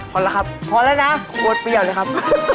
พอแล้วครับพอแล้วนะขวดเปรี้ยวเลยครับ